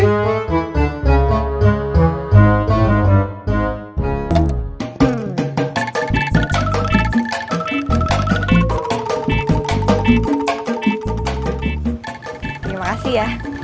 terima kasih ya